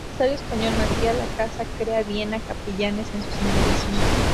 El empresario español Matías Lacasa crea Viena Capellanes en sus inmediaciones.